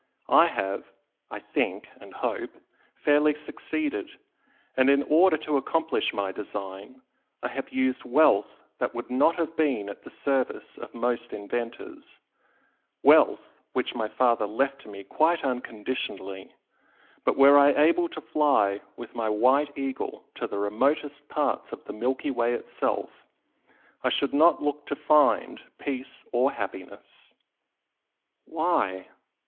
I have I think and hope fairly succeeded, and in order to accomplish my design I have used wealth that would not have been at the service of most inventors, wealth which my father left to me quite unconditionally, but were I able to fly with my 'White Eagle' to the remotest parts of the Milky Way itself, I should not look to find peace or happiness!" "Why?"